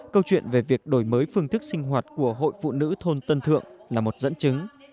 câu chuyện về việc đổi mới phương thức sinh hoạt của hội phụ nữ thôn tân thượng là một dẫn chứng